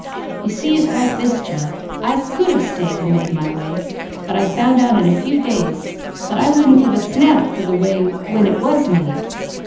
You see it's like this, Jud: I could have stayed and made my way; but I found out in a few days that I wouldn't give a snap for the way when it was made.